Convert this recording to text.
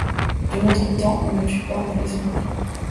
De notre temps, on ne tue pas, on laisse mourir.